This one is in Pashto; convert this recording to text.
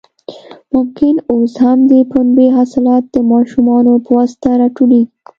ممکن اوس هم د پنبې حاصلات د ماشومانو په واسطه راټولېږي.